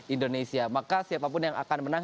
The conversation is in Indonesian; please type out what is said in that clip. indonesia maka siapapun yang akan menang